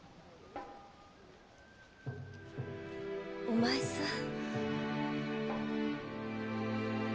お前さん。